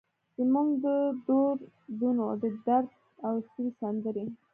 زموږ د دور دونو ، ددرد او سوي سندرې